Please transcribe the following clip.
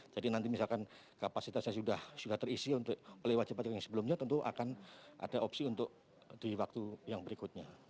nanti misalkan kapasitasnya sudah terisi oleh wajib pajak yang sebelumnya tentu akan ada opsi untuk di waktu yang berikutnya